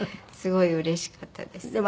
すごいうれしかったです。